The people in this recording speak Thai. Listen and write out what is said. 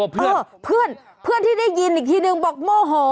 เพื่อนที่ได้ยินอีกทีหนึ่งบอกโมหอ